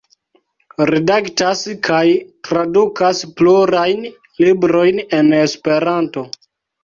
Redaktas kaj tradukas plurajn librojn en Esperanto.